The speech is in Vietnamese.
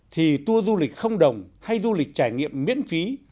thì tour du lịch không đồng hay du lịch trải nghiệm miễn phí